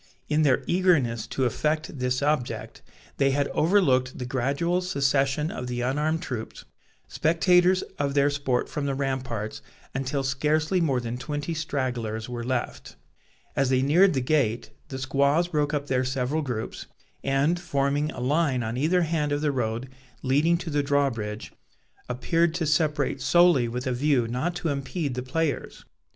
In their eagerness to effect this object, they had overlooked the gradual secession of the unarmed troops, spectators of their sport from the ramparts, until scarcely more than twenty stragglers were left. As they neared the gate, the squaws broke up their several groups, and, forming a line on either hand of the road leading to the drawbridge, appeared to separate solely with a view not to impede the players.